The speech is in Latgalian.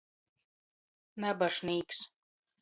Nabašnīks.